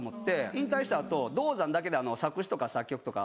引退した後「ＤＯＺＡＮ」だけで作詞とか作曲とか。